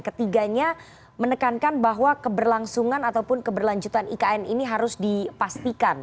ketiganya menekankan bahwa keberlangsungan ataupun keberlanjutan ikn ini harus dipastikan